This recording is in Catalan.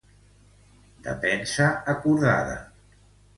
De pensa acordada.